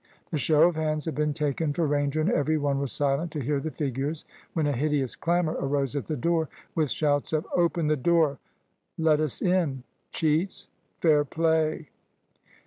The show of hands had been taken for Ranger, and every one was silent to hear the figures, when a hideous clamour arose at the door, with shouts of "Open the door I let us in. Cheats! Fair play!"